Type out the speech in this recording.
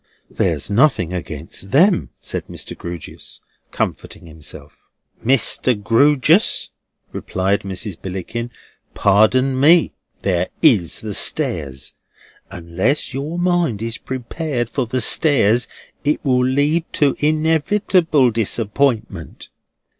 There's nothing against them," said Mr. Grewgious, comforting himself. "Mr. Grewgious," replied Mrs. Billickin, "pardon me, there is the stairs. Unless your mind is prepared for the stairs, it will lead to inevitable disappointment.